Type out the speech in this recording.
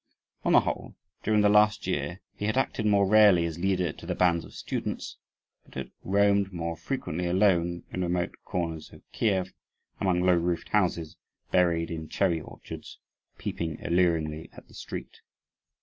On the whole, during the last year, he had acted more rarely as leader to the bands of students, but had roamed more frequently alone, in remote corners of Kief, among low roofed houses, buried in cherry orchards, peeping alluringly at the street.